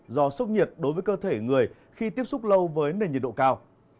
do sốc nhiệt đối với cơ thể người khi tiếp xúc lâu với nền nhiệt độ cao